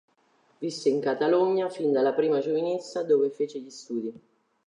Visse in Catalogna fin dalla prima giovinezza, dove fece gli studi.